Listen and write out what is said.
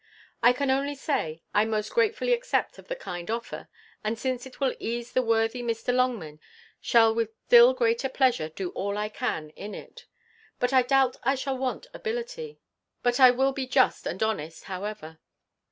I can only say, I most gratefully accept of the kind offer; and since it will ease the worthy Mr. Longman, shall with still greater pleasure do all I can in it. But I doubt I shall want ability; but I will be just and honest, however.